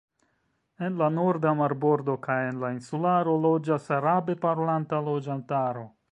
En la norda marbordo kaj en la insularo loĝas arabe parolanta loĝantaro.